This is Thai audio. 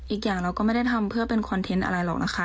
อีกอย่างเราก็ไม่ได้ทำเพื่อเป็นคอนเทนต์อะไรหรอกนะคะ